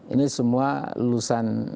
ini semua lulusan